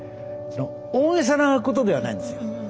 大げさなことではないんですよ。